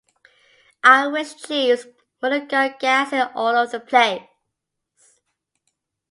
I wish Jeeves wouldn't go gassing all over the place.